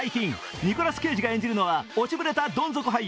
ニコラス・ケイジが演じるのは落ちぶれたどん底俳優。